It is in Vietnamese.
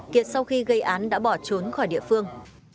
kiệt sau khi gây án đã bỏ trốn khỏi địa phương